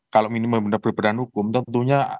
kalau ini benar benar berperan hukum tentunya